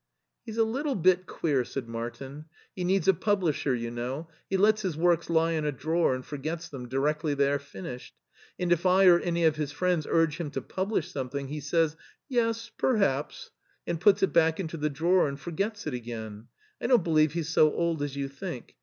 " He's a little bit queer," said Martin. " He needs a publisher, you know ; he lets his works lie in a drawer and forgets them directly they are finished, and if I or any of his friends urge him to publish something, he says, 'Yes, perhaps,* and puts it back into the drawer and forgets it again. I don't believe he's so old as you think.